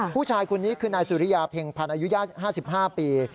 ผู้ชายคนนี้คือนายสุริยาเพ็งพันธ์อายุ๕๕ปี